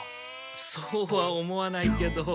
そうは思わないけど。